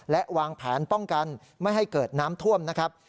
และวางแผนป้องกันไม่ให้เกิดน้ำท่วมนะครับ